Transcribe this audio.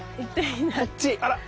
あら。